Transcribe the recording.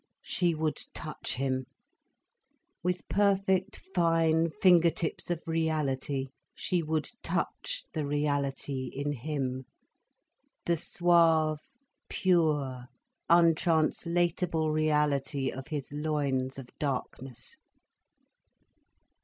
She would touch him. With perfect fine finger tips of reality she would touch the reality in him, the suave, pure, untranslatable reality of his loins of darkness.